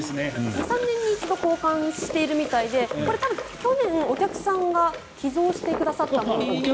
２３年に一度交換しているみたいでこれ多分、去年、お客さんが寄贈してくださったもので。